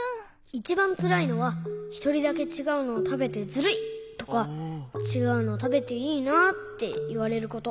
いちばんつらいのは「ひとりだけちがうのをたべてずるい」とか「ちがうのたべていいな」っていわれること。